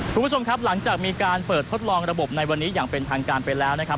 คุณผู้ชมครับหลังจากมีการเปิดทดลองระบบในวันนี้อย่างเป็นทางการไปแล้วนะครับ